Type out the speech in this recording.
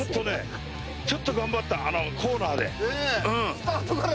スタートから。